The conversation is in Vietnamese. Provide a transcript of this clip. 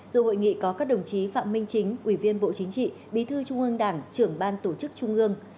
dù hội nghị có các đồng chí phạm minh chính ủy viên bộ chính trị bí thư trung ương đảng trưởng ban tổ chức trung ương